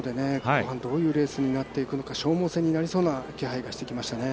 後半、どんなレースになっていくのか、消耗戦になりそうな気配がしてきましたね。